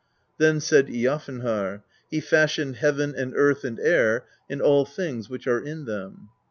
Then said Jafnharr: "He fashioned heaven and earth and air, and all things which are in them."